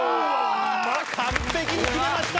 完璧に決めました！